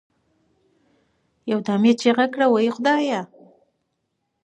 يو دم يې چيغه كړه وه خدايه!